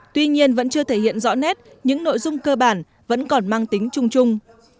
tuy nhiên vẫn chưa thể hiện rõ nét những nội dung cơ bản vẫn còn mang tính chung chung